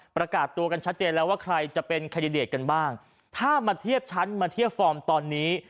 ประกาศตัวกันชัดเจนแล้วว่าใครจะเป็นแคนดิเดตกันบ้างถ้ามาเทียบชั้นมาเทียบฟอร์มตอนนี้